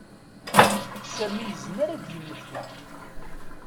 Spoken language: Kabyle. Sami yezmer ad d-yemmeki.